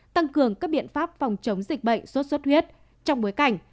tăng cường các biện pháp phòng chống dịch bệnh sốt xuất huyết trong bối cảnh